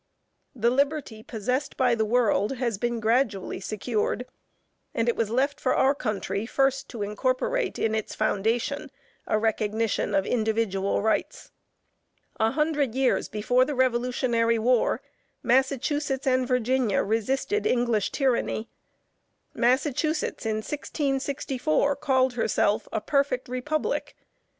The liberty possessed by the world has been gradually secured, and it was left for our country first to incorporate in its foundation a recognition of individual rights. A hundred years before the revolutionary war, Massachusetts and Virginia resisted English tyranny. Massachusetts, in 1664, called herself a "perfect republic."